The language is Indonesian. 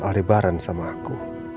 alibaran sama aku